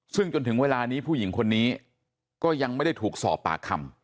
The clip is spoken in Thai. ซึ่งจนถึงเวลานี้ผู้หญิงคนนี้ก็ยังไม่ได้ถูกสอบปากคำ